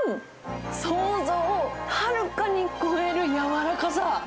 想像をはるかに超える柔らかさ。